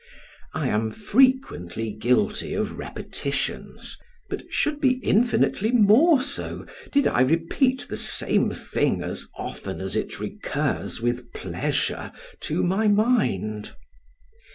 I am frequently guilty of repetitions, but should be infinitely more so, did I repeat the same thing as often as it recurs with pleasure to my mind.